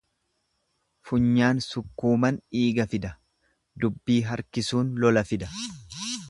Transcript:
Funyaan sukkuuman dhiiga fida, dubbii harkisuun lola fida.